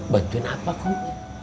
bantuin apa kum